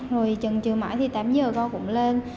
rồi chừng chừ mãi thì tám h con cũng lên